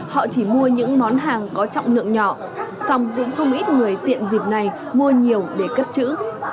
họ chỉ mua những món hàng có trọng lượng nhỏ xong cũng không ít người tiện dịp này mua nhiều để cất chữ